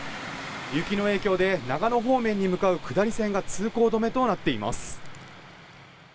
雪の影響で長野方面に向かう下り線が通行止めとなっています。